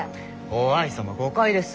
於愛様誤解です。